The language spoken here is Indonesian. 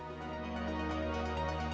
ini adalah kawasan mandala matika subak